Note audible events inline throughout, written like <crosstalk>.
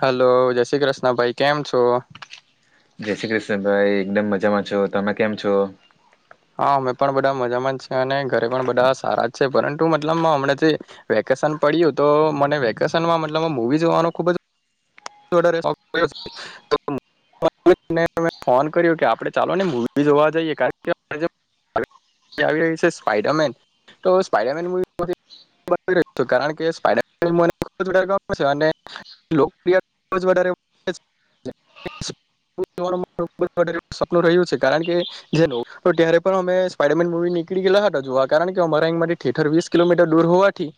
Hello જય શ્રી કૃષ્ણ ભાઈ કેમ છો જય શ્રી કૃષ્ણ ભાઈ એકદમ મજામાં છો તમે કેમ છો હા અમે પણ બધા મજામાં છએ અને ઘરે પણ બધા સારા છે પરંતુ મતલબ હમણા જેકે વેકેશન પડ્યું તો મને વેકેશનમાં મતલબ મૂવી જોવાનું ખુબ જ ડ તો <unintelligible> ફોન કર્યો કે આપડે ચાલો ને મવી જોવા જઈએ કારણ કે <inaudible> <unintelligible> આવી રહી છે સ્પાઈડરમેન તો સ્પાઈડરમેન કારણ કે સ્પડને ખબ અને <unintelligible> ારે <unintelligible> પ રહ્યું છે કારણ કે જે ત્યારે પણ અમે સ્પડરમેન મવી <unintelligible> નીકળી ગેલા હતા જોવા કારણ કે અમારા અહીંમાથી ઠીઠર વીસ કિલોમીટર દૂર હોવાથી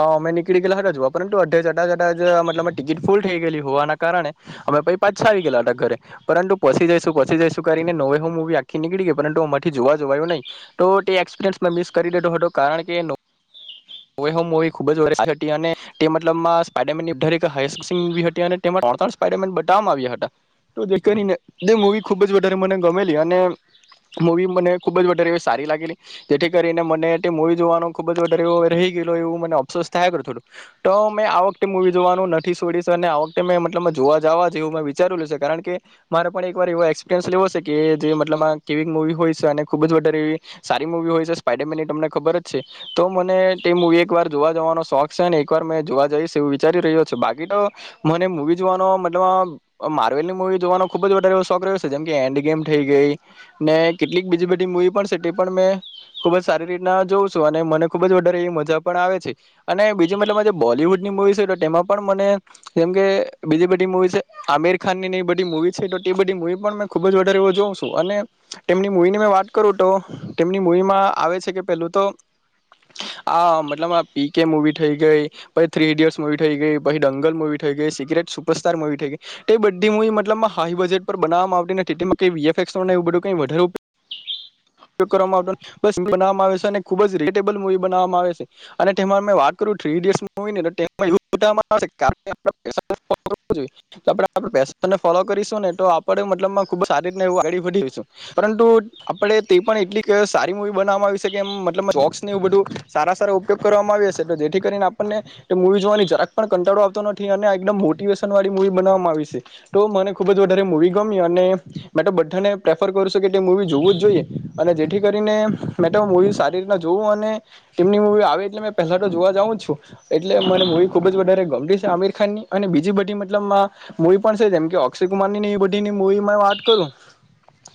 અમે નીકળી ગેલા હતા જોવા. પરંતુ અઘે જતા જતા અ મતલબ માં ટિકિટ. ફૂલ થઈ ગયલી હોવાના કારણે અમે પછી પાછા આવી ગયેલા ઘરે પરંતુ પછી જઈશું પછી જઈશું કરીને હવે હું મુવી આખી નીકળી ગયી પરંતુું અમાંથી જોવા જોવાયું નહીં તો તે એક્સપિરિયન્સ મિસ કરી દેધો હતો કારણ કે. હનો. ઓવે હો મુવી ખુબ જ <inaudible> હતી અને તે મતલબમાં સ્પાઈડરમેન હાઈ સીન મુવી હતી અને તેમાં. ત્રણ ચાર સ્પાઇડરમેન બતાવવામાં આવ્યા હતા તો જે કરીને તે મુવી ખુબ જ વધારે મને ગમેલી અને. મૂવી મને ખુબ જ વધારે સારી લાગેલી જેથી કરીને મને તે મૂવી જોવાનો ખુબ જ વધારે એ. રહી ઘેલ એવું મને અફસોસ થાયા કરતુ હતુ ત મેં આ વખતે મુવી જોવાનું નથી છોડીશ અને આ વખતે મેં મતલબમા જોવા જવા જેવું મે વિચારલું છે, કારણ કે મારે પણ એકવાર એવો એક્સપિરિયન્સ લેવો છે, કે જે મતલબ માં કેવી મુવી હોય છે, અને ખૂબ જ વધારે એવી સારી મુવી હોય છે, સ્પાઈડરમેન એ તમને ખબર જ છે તો મને તે મુવી એક વાર જોવા જવાનો શોખ છે, અને એક વાર મેં જોવા જઈશ એવું વિચારી રહ્યો છું બાકી તો મને મુવી જોવાનો મતલબમાં માર્વેલની મુવી જોવાનો ખુબ જ વધારે શોખ રહ્યો છે, જેમ કે એન્ડ ગેમ થઈ ગઈ ને કેટલીક બીજી બધી મુવી પણ છે, તે પણ મેં ખુબ જ સારી રીતના જોઉં છું અને મને ખુબ જ વ દર એવી મજા પણ આવે છે, અને બીજી મતલબ મા જે બોલીવુડની મુવી છે, તો તેમાં પણ મને જેમ કે બીજી બધી મુવી છે, આમિર ખાનની એવી બધી મુવી છે, તો બધી મુવી પણ મે ખુબ જ વધારે એવો જોઉં છું અને તેમની મૂવી ની મેં વાત કરું તો તેમની મૂવીમાં આવે છે, કે પેલું તો આ મતલબ આ પી કે મુવી થઈ ગઈ પછી થ્રી ઈડિયટ્સ મુવી થઈ ગઈ પછી ડંગલ મુવી થઈ ગઈ સિક્રેટ સુપરસ્ટાર મુવી થઈ ગઈ તે બધી મુવી મતલબમાં હાઈ બજેટ પર બનાવવામાં આવતી નથી તે માટે વી એફ એક્સ નું એવ બધું કઈ વધારે ઉપયોગ કરવામાં આવતો ન બસ બનાવામાં આવે છે, અને ખૂબ જ રેટેબલ મૂવી બનાવવામાં આવે છે અને તેમાં મેં વાત કરું થ્રી ઈડીયટ્સ મુવીની ત ટેમાં એવું બતાવવામાં આવે છે <unintelligible> <unintelligible> ફોલો કરીશું ને તો આપડે મતલબમાં ખુબ જ સારી રીત એવું આઈડી વધી પરતુ આપણે તે પણ એટલીક સારી મુવી બનાવામાં આવી છે, કે મતલબમાં જોક્સ ને એવું બધું સારા સારા ઉપયોગ કરવામાં આવી હશે ત જેથી કરીને આપણને તે મુવી જોવાની જરાક પણ કંટાળો આવતો નથી અને એકદમ મોટીવેશન વાળી મુવી બનાવવામાં આવી છે, તો મને ખુબ જ વધારે મુવી ગમી અને મે તો બધાને પ્રેફર કરું છું કે તે મૂવી જોવું જ જોઈએ અને જેથી કરીને મે તો મૂવી સારી રીતના જોવું અને તેમની મૂવી આવે એટલે મેં પહેલા તો જોવા જાઉં જ છું એટલે મને મુવી ખુબ જ વધારે ગમતી છે, આમિર ખાનની અને બીજી બધી મતલબમાં મુવી પણ છે, જેમ કે અક્ષય કુમારની એ બધીની મુવી મે વાત કરું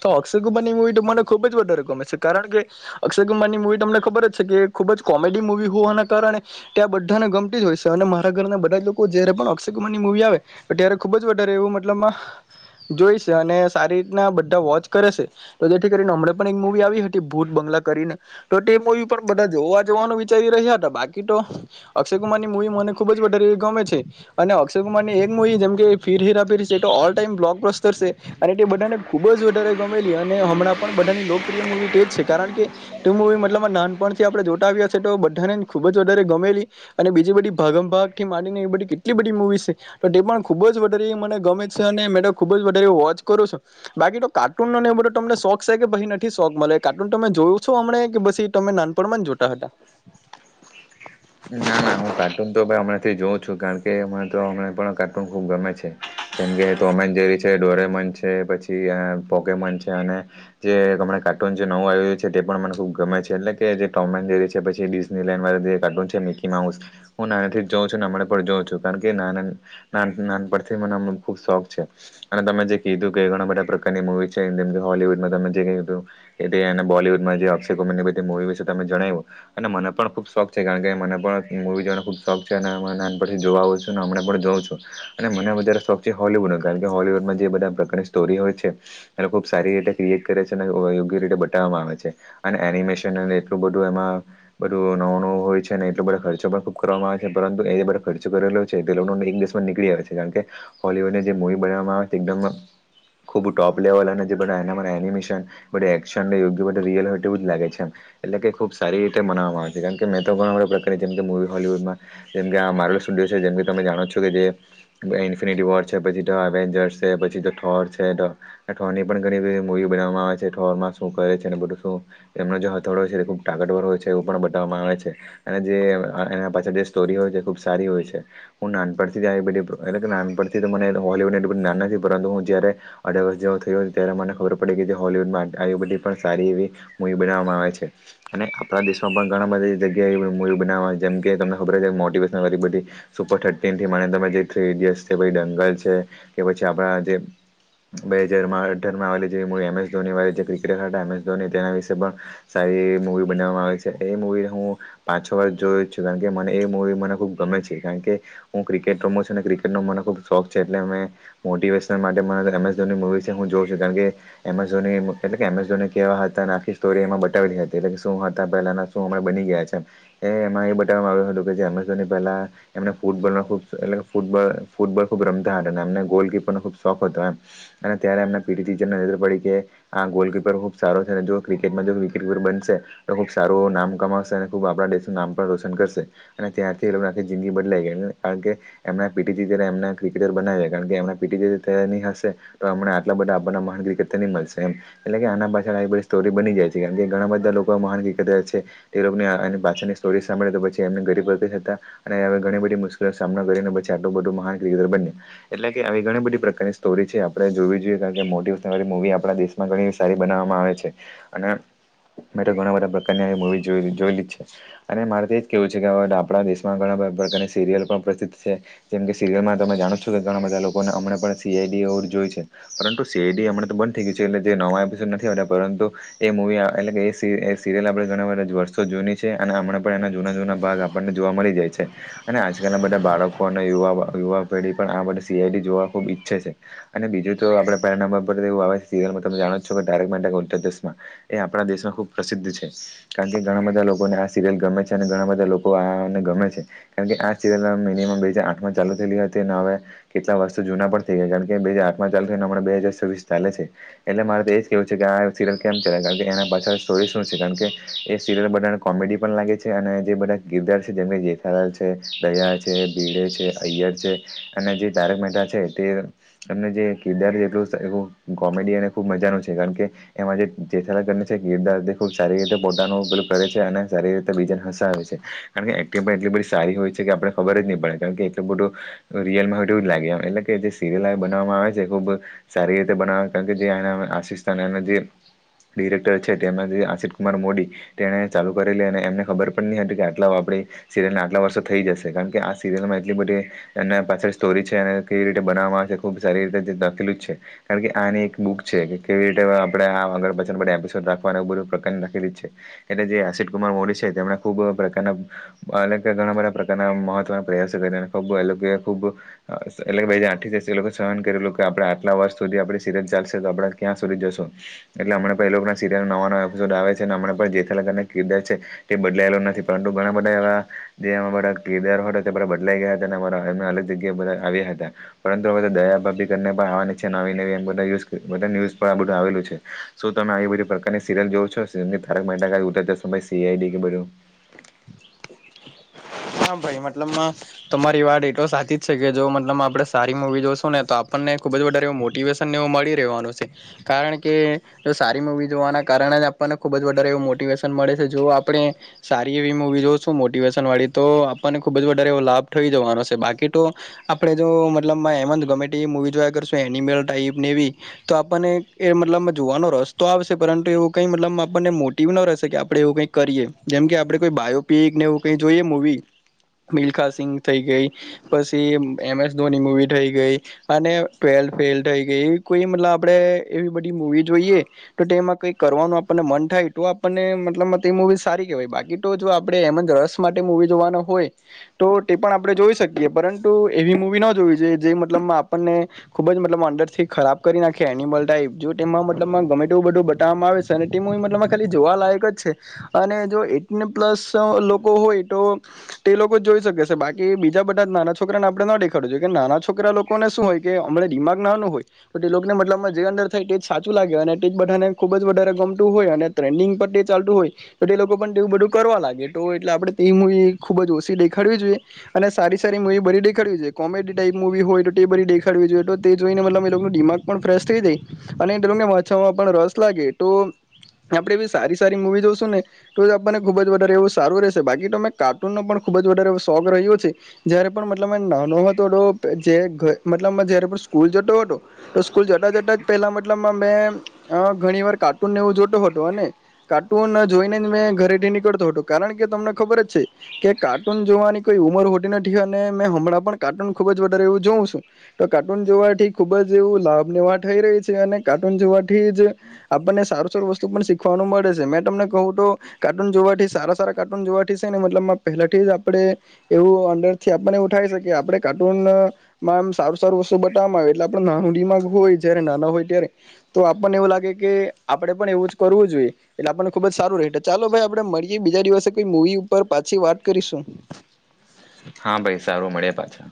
તો અક્ષય કુમારની મૂવી તો મને ખુબ જ વધારે ગમે છે, કારણ કે અક્ષય કુંમાર ની મુવી તમને ખબર જ છે, ખૂબ જ કોમેડી મુવી હોવાના કારણે ત્યાં બધાને ગમતી જ હોય છે, અને મારા ઘરના બધા જ લોકો જયારે પણ અક્ષય કુમારની મુવી આવે પણ ત્યારે ખુબ જ વધારે એવું મતલબમાં જોઈ છે, અને સારી રીતના બધા વોચ કરે છે, તો જેથી કરીને હમણાં પણ એક મુવી આવી હતી ભૂત બંગલા કરીને તો તે મુવી પણ બધા જોવા જોવાનું વિચારી રહ્યા હતા બાકી તો અક્ષય કુમારની મુવી મને ખુબ જ વધારે એવી ગમે છે. અને અક્ષય કુમારની એક મુવી જેમ કે ફીર હેરા ફેરી છે, એત ઓલ ટાઈમ બ્લોક બસ્તર છે, અને એ બધાને ખૂબ જ વધારે ગમેલી અને હમણાં પણ બધાની લોકપ્રિય મૂવી તેજ છે, કારણ કે તે મુવી મતલબ ના પણ થી આપણે જોટા આવ્યા છે, તો બધાને ખુબ જ વધારે ગમેલી અને બીજી બધી ભાગમ ભાગ થી માડીને એવી બધી કે ટલી બધી મુવી છે, તો તે પણ ખુબ જ વધારે મને ગમે છે, અને મે ખુબ જ વધારે વોચ કરો છુ. બાકી તો કાર્ટૂનનોને એ બધો તમને શોખ સે કે પહી નથી શોખ મલે કાર્ટૂન તમે જોયું છો હમણે કે પછી તમે નાન પણમા જોતા હતા. ના ના હું કાર્ટૂન તો હમણાંથી જોઉં છું કારણ કે હમણાં તો હમણાં પણ કાર્ટૂન ખુબ ગમે છે. જેમ કે ટોમ એન્ડ જેરી છે, ડોરેમોન છે, પછી આ પોકેમોન છે, અને જે અમણા કાર્ટૂન જે નવું આવ રહ્યું છે, તે પણ મને ખુબ ગમે છે, એટલે કે જે ટોમ એન જેરી છે, પછી ડિઝનીલેન્ડ વાળા જે કાર્ટૂન છે. મિકી માઉસ હું નાનેથી જ જોઉ છું ને હમણાં પણ જોવુ છું કારણ કે નાના નાન નાનપણથી મને ખુબ શોખ છે, અને તમે જે કીધું કે ઘણા બધા પ્રકારની મુવી છે, જેમ કે હોલુડમાં તમે જે કહયુ હતુ. એ તે અને બોલીવુડમાં જે અક્ષય કુમારની બધી મુવી વિશે તમે જણાવ્યું અને મને પણ ખુબ શોખ છે, કારણ કે મને પણ મૂવી જોવાનો ખુબ શોખ છે, અને નાનપણથી જોવા આવું છું ને હમણે પણ જોઉં છું અને મને વધારે શો છે, હોલીવુડનો કારણ કે હોલીવુડમાં જે બધા પ્રકારની સ્ટોરી હોય છે, એલો ખુબ સારી રીતે ક્રીએટ કરે છે, ને <unintelligible> રીતે બતાવવામાં આવે છે, અને એનિમેશન એટલું બધું એમાં બધું નવું નવું હોય છે. એટલો બધો ખર્ચો પણ ખુબ કરવામાં આવે છે, પરંતુ એ બધો ખર્ચો કરેલો છે, એ લોકો ઈંગ્લીશમાં નીકળી આવે છે, કારણ કે હોલિવૂડે જે મૂવી બનાવવામાં આવે તે એકદમ ખૂબ ટોપ લેવલ અને જે બધા એનામાં એનિમેશન બધા એક્શનને યોગ્ય બધા રિયલ હોય તેવું જ લાગે છે, એમ એટલે કે ખુબ સારી રીતે મનાવવામાં આવે છે, કારણ કે મેં તો પણ હવે <unintelligible> જેમ કે મૂવી હોલીવુડમાં જેમ કે આ માર્વેલ સ્ટુડિયો છે, જેમ કે તમે જાણો છો કે જે ઈનફીનીટી વોર છે, પછી ધ અવેન્જર્સ છે, પછી ધ ઠોર છે, તો ને થોરની પણ ઘણી બધી મુવી બનાવવામાં આવે છે, થો રમાં શું કહે છે, ને બધું શું એમનો જે હથોડો છે, એ ખુબ તાકતવર હોય છે, એવું પણ બતાવવામાં આવે છે. અને જે અ એના પાછળ જે સ્ટોરી હોય છે, ખુબ સારી હોય છે, હું નાનપણ થી જ આવી બધી એટલે કે નાનપ થી જ તો મને હોલીવુડ <unintelligible> પરંતુ હું જ્યારે અઢાર વર્ષ જેવો થયો ત્યારે મને ખબર પડી કે જે હોલીવુડમાં આવી બધી પણ સારી એવી મૂવી બનાવવામાં આવે છે, અને આપણા દેશમા પણ ઘણા બધી જગ્યા એવું મુવી બનાવવા જેમ કે તમે ખબર છે કે મોટિવેશનલ બધી સુપર થર્ટીન થી માની તમે જે થ્રી ઇડિયટસ છે પહી. જંગલ છે કે પછી આપણા જે બે હજારમાં અઢાર માં આવેલી જે મૂવી એમ એસ ધોની વાળી જે ક્રિકેટર હતા એમ એસ ધોની તેના વિશે પણ સા રી મુવી બનાવવામાં આવે છે એ મૂવી હું પાંચ છ વાર જોયો જ છું કારણ કે મને એ મૂવી મને ખૂબ ગમે છે કારણ કે હું ક્રિકેટ રમું છું અને ક્રિકેટનો મને ખૂબ શોખ છે એટલે અમે મોટિવેશન માટે એમ એસ ધોની મૂવી છે હું જોઉં છુ કારણ કે એમ એસ ધોની એટલે કે એમ એસ ધોની કેવા હતા અને આખી સ્ટોરી એમાં બતાવેલી હતી, એટલે કે શું હતા પહેલાના, શું હવે બની ગયા છે. એ એમાં એ બતાવવા આવ્યું હતું કે એમ એસ ધોની પહેલા એમને ફૂટબોલનો ખુબ એટલે ફૂટબલ ફૂટ બોવ ખુબ રમતા હતા અને એમને ગોલકીપર નો ખુબ શોખ હતો એમ અને ત્યારે એમના પી ટી ટીચરને નજર પડી કે આ ગોલકીપર ખૂબ સારો છેને જો ક્રિકેટમાં જો વિકેટ કીપર બનશે તો ખૂબ સારું નામ કમાવશે અને ખૂબ આપણા દેશનું નામ પણ રોશન કરશે, અને ત્યારરથી હવે એની આખી જિંદગી બદલાઈ ગઈ, કારણ કે આગે એમના પી ટી ટી ચરે એમને ક્રિકેટર બનાવીએ કારણ કે એમને પી પી ટી હશે તો એમને આટલા બધા આપણાના મહા ક્રિકેટર ની મલશે. એમ એટલે કે આના પાછળ આવી બધી સ્ટોરી બની જાય છે કેમ કે ઘણા બધા લોકો મહાન ક્રિકેટર છે એ લોકની આની પાછળની સ્ટોરી સાંભળી તો પછી એમને ગરીબ ઘરથી જ હતા અને હવે ઘણી બધી મુશ્કેલીનો સામનો કરીને પછી આટલું બધું મહાન ક્રિકેટર બન્યા એટલે કે આવી ઘણી બધી પ્રકારની સ્ટોરી છે આપણે જોવી જોઈએ કારણ કે મોટીવેસ્નલવાળી આપણા દેશમાં ઘણી સારી બનાવવામાં આવે છે, અને મેં તો ઘણા બધા પ્રકારની આવી મૂવી જોયલી જોયલી છે. અને મારે તો એ જ કેવું છે કે હવે તો આપણા દેશમાં ઘણા બધા પ્રકારની સિરિયલ પણ પ્રસિદ્ધ છે જેમ કે સિરીયલ માં તમે જાણો છો કે ઘણા બધા લોકોને હમણે પણ સી આઈ ડી જોઈ છે પરંતુ સી આઈ ડી હમને તો બંધ થઈ ગયું છે એટ લે નવા એપિસોડ નથી આવતા પરંતુ એ મુવી એટલે કે એ સિ એ સિરિયલ આપણે ઘણા બધા વર્ષો જૂની છે અને હમણા પણ એના જૂના-જૂના ભાગ આપણને જોવા મળી જાય છે, અને આજકાલના બધા બાળકો અને યુવા-યુવા પેઢી પણ આ બધા સી આઈ ડી જોવા ખુબ ઈ છે તે અને બીજું તો આપણે પેલા નંબર પર જેવું આવે જાણો છો કે તારક મહેતા કા ઉલ્ટા ચશ્મા. એ આપણા દેશમાં ખુબ પ્રસિદ્ધ છે કારણ કે ઘણા બધા લોક કોને આ સિરિયલ ગમે છે અને ઘણા બધા લોકો આને ગમે છે, કારણ કે આ સિરિયલ ના મિનીમમ બે હજાર આઠ માં ચાલુ થયેલી હતી ને હવે કેટલા વર્ષો જૂના પણ થઈ ગયા કારણ કે બે હજાર આઠમાં ચાલુ થઈ ને હમણાં બે હજાર છવ્વીસ ચાલે છે એટલે મારે તો એજ કેવું છે કે આ સિરિયલ કેમ ચાલે કારણ કે એના પાછળ સ્ટોરી શું છે કારણ કે એ સિરિયલ બધાને કોમેડી પણ લાગે છે અને જે બધા કિરદાર છે જેમાં જેઠાલાલ છે દયા છે ભીડે છે અય્યર ર છે અને જે તારક મહેતા છે તે એમને જે કિરદાર લીધું તેવું કોમેડીયન તે ખૂબ મજાનું છે કારણ કે તેમાં જેઠાલાલ કરીને છે કિરદાર તે સારી રીતે પોતાનું પેલું કરે છે. છે અને રીતે બીજાન હસાવે છે, કારણ કે એક્ટિંગ પણ એટલી બધી સારી હોય છે કે આપણે ખબર જ ની પડે કારણ કે એટ તું રિયલમાં હોય તેવું જ લાગે આપણે, એટલે કે જે સિરિયલને બનાવવામાં આવે છે ખુબ સારી રીતે બનાવ કારણ કે તે એનામાં આશિષ અને એના જે ડિરેક્ટર છે તેમના જે આશિત કુમાર મોદી તેને ચાલુ કરેલી અને એમને ખબર પણ નહી હતી કે આટલા આપરી સિરિયલને આટલા વર્ષો થઈ જશે કારણ કે આ સિરિયલમાં એટલી બધી એના પાછળ સ્ટોરી છે એને કેવી રીતે બનાવવામાં આવે છે ખૂબ સારી રીતે લખેલું છે કારણ કે આની બુક છે કે કેવી રીતે આપણે આ આગળ પાછળ બધા એપિસોડ રાખવાના એવું બધું પ્રકરણ લખેલું જ છે. એટલે જે આશિષ કુમાર મોદી છે તેમણે ખુબ પ્રકારના અલગ ઘણા બધા પ્રકારના મહત્વના પ્રયાસો કર એને ખબર એ લોકો એ ખૂબ એ લોક એ ખૂબ <unintelligible> સહન કરેલું કે આપણે આટલા વર્ષ સુધી આપણે સીઝન ચાલશે તો આપણે ક્યાં સુધી જશું, એટલે હમણા પેલ લોકના સિરિયલ નવા-નવા એપિસોડ આવે છે અને હમણા પણ જે અલગ-અલગ કિરદાર છે એ બદલાયેલો નથી પરંતુ ઘણા બધા એવા જે એમાં બધા કિરદાર હતા તે બધા બદલાઈ ગયા હતા <unintelligible> એમને અલગ જગ્યાએ બધા આવ્યા હતા, પરંતુ હવે તો દયાભાભી કરને પણ આવવાની છે નવી-નવી બધા ન્યુઝપે બધા ન્યુઝ પર આ બધું આવેલું છે, શું તમે આવી બધી પ્રકારની સિરિયલ જોવો છો જેની ઠાર કા ઊલટા ચશ્મા સીઆઈડી કે બરું. હા ભાઈ મતલબ માં તમારી વાત એટો સાચી જ છે, કે જો મતલબ મા આપડે સારી મુવી જોશું ને તો આપણ ખુબ જ વધારે મોટિવેશનને એવ મળી રહેવાનું છે, કારણ કે સારી મૂવી જોવાના કાર ને આપણને ખુબ જ વધારે એવું મોટેશન મળે છે, જો આપણે સારી એવી મુવી જોશું મોટિવેશન વાળી તો આપણને ખુબ જ વધારે એવો લાભ થઈ જવાનો છે જેને બાકી તો આપડે જો મતલબ માં એમ જ ગમે તે મુવી જોયા કરશુ એનિમલ ટાઈપ ને એવી તો આપણને એ મતલબ જોવાનો રસ્તો આવશે પરંતુ એવું. કઈ મતલબમાં આપણને મોટીવ ન રહેશે કે આપડે એવું કઈ કરીએ જેમ કે આપણે કોઈ બાયોપિક ને એવું કઈ જોઈએ. મૂવી. મીલખા સિંગ થઈ ગઈ પછી એમ એસ ધોની મુવી થઈ ગઈ અને ટ્વે <unintelligible> ફેઇલ થઈ ગઈ કોઈ મતલબ આપડે એવી બધી મુવી જોઈએ તો તેમાં કઈ કરવાનું આપને મન થાય તો આપણને મતલબમાં મુવી સારી કહેવાય બાકી તો જો આપણે એમ જ રસ મા <unintelligible> મુવી જોવાનો હોય તો તે પણ આપણે જોઈ શકીએ પરંતુ એવી મુવી ન જોવી જોઈએ જે મતલબમાં. આપણને ખુબ જ મતલબ અંદર થી ખરાબ કરી નાખે એનિમલ ટાઈપ જો તેમાં મતલબમાં ગમે તેવું બધું બટા વામા આવે તો તે મુવી માં ખાલી જોવા લાયક જ છે, અને જો એઇટીન પ્લસ લોકો હોય. તો તે લોકો જ જોઈ શકે છે, બાકી બીજા બધા નાના છોકરાને આપણે ન દેખાડું જોઈએ કે નાના છોકરા લોકોને. શું હોય કે અમણાં દિમાગ નાનુ હોય તો તે લોગ ને મતલબમાં જે અંદર થાય તે જ સાચું લાગે અને તે જ બધાને ખૂબ જ. વધારે ગમતું હોય અને ટ્રેન્ડિંગ પર ચાલતું હોય તો તે લોકો પણ તેવું બધું કરવા લાગે તો એટલે આપડે. એ મુવી ખુબ જ ઓછી દેખાડવી જોઈએ અને સારી સારી મુવી બઘી દેખાડવી જોઈએ કોમેડી ટાઈપ મુવી હોય તો. એ બધી દેખાડવી જોઈએ તો તે જોઈને મતલબ એ લોકો દિમાગ પણ ફ્રેશ થઈ જાય અને એ લોકોને વાચાવામાં પણ રસ લાગે. તો આપડે એ સારી સારી મુવી જોશું ને તો આપણને ખુબ જ વધારે એવું સારું રહેશે. બાકી તો મેં કાર્ટૂન નો પણ ખુબ જ વધારે શોક રહ્યો છે, જ્યારે પણ મતલબ મેં નાનો હતો ડો જે. મતલબમાં જ્યારે પણ સ્કૂલ જતો હતો તો સ્કૂલ જતા જતા પહેલા મતલબમાં મેં અ ઘણી. વાર કાર્ટૂનને એવું જોતો હતો અને કાર્ટૂન જોઈને જ મેં ઘરે નીકળતો હતો કારણ કે. તમને ખબર જ છે, કે કાર્ટૂન જોવાની કોઈ ઉમર હોતી નથી અને મેં હમણાં પણ કાર્ટૂન ખુબ જ વધારે. જોઉુ છું, તો કાર્ટૂન જોવાથી ખુબ જ એવું લાભ નેવા થઈ રહી છે, અને કાર્ટૂન જોવાથી. આપણને સારું સારું વસ્તુ પણ શીખવાનું મળે છે, મેં તમને કહું તો કાર્ટૂન જોવા થી સારા સારા. કાર્ટૂન જોવાથી સે ને મતલબમાં પેલાથી જ આપણે એવું અંડર થી આપડને એવું થાય છે, કે આપણે કાર્ટૂન. સારું સારું વસ્તુ બતાવામાં આવે એટલે આપણુ નાનું દિમાગ હોય જયારે નાના હોય ત્યારે તો આપણને. એવુ લાગે કે આપણે પણ એવું જ કરવું જોઈએ એટલે આપણને ખુબ જ સારું રહે. ચાલો ભાઈ આપડે મળીએ બીજા દિવસે કોઈ મુવી ઉપર પાછી વાત કરીશું. હા ભાઈ સારું મળીયે પાછા.